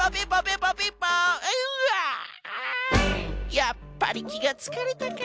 やっぱりきがつかれたか。